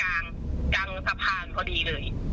กลางกลางสะพานพอดีเลย